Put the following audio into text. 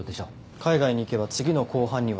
海外に行けば次の公判には出られない。